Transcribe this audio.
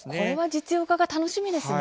実用化が楽しみですね。